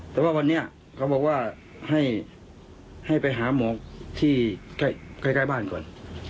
แต่ว่าวันนี้เขาบอกว่าให้ไปหาหมอที่ใกล้บ้านก่อน